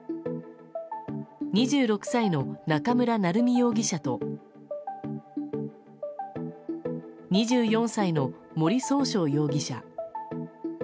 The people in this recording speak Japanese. ２６歳の中村成美容疑者と２４歳の森崇翔容疑者。